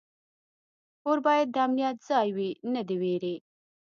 کور باید د امنیت ځای وي، نه د ویرې.